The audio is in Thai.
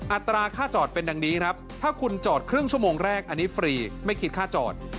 อัตราค่าจอดเป็นดังนี้ครับถ้าคุณจอดครึ่งชั่วโมงแรกอันนี้ฟรีไม่คิดค่าจอด